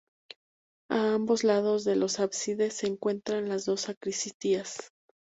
A ambos lados del ábside se encuentran las dos sacristías.